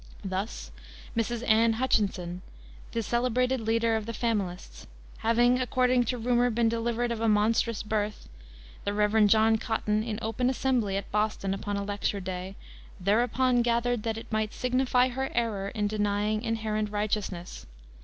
Thus Mrs. Anne Hutchinson, the celebrated leader of the Familists, having, according to rumor, been delivered of a monstrous birth, the Rev. John Cotton, in open assembly, at Boston, upon a lecture day, "thereupon gathered that it might signify her error in denying inherent righteousness."